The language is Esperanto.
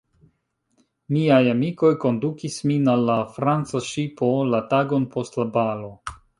Miaj amikoj kondukis min al la Franca ŝipo, la tagon post la balo.